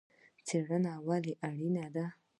څیړنه ولې اړینه ده؟